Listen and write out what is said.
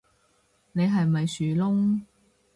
你係咪樹窿